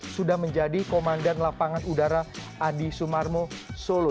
sudah menjadi komandan lapangan udara adi sumarmo solo